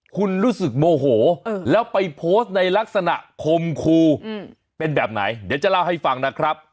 คุณรู้สึกโมโหแล้วไปโพสต์ในลักษณะคมครูเป็นแบบไหนเดี๋ยวจะเล่าให้ฟังนะครับ